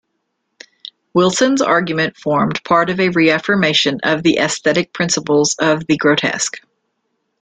Wilson's argument formed part of a reaffirmation of the aesthetic principles of the grotesque.